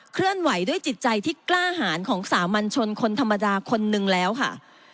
เคลื่อนไหวด้วยจิตใจที่กล้าหารของสามัญชนคนธรรมดาคนนึงแล้วค่ะ